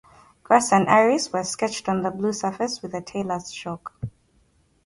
Grass and iris were sketched on the blue surface with tailor's chalk.